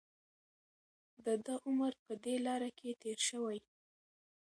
د ده عمر په دې لاره کې تېر شوی.